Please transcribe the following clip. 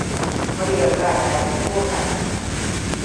Muryar ba daɗi ko kaɗan.